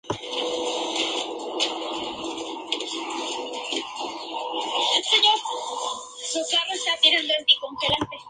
De sus cuatro hijos, su hija mayor Ida Hahn-Hahn fue una escritora conocida.